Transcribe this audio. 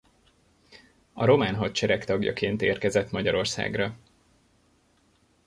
A román hadsereg tagjaként érkezett Magyarországra.